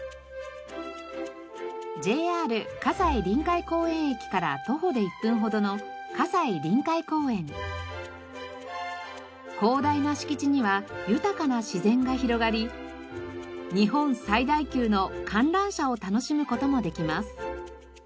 ＪＲ西臨海公園駅から徒歩で１分ほどの広大な敷地には豊かな自然が広がり日本最大級の観覧車を楽しむ事もできます。